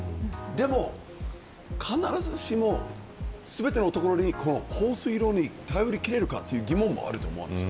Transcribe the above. でも、必ずしも全ての所で放水路に頼りきれるかという疑問もあると思います。